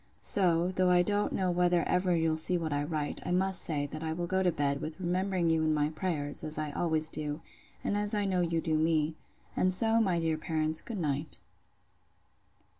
—So, though I don't know whether ever you'll see what I write, I must say, that I will go to bed, with remembering you in my prayers, as I always do, and as I know you do me: And so, my dear parents, good night.